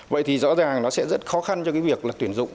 vậy thì rõ ràng nó sẽ rất khó khăn cho việc tuyển dụng